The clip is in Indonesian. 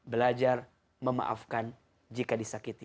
belajar memaafkan jika disakiti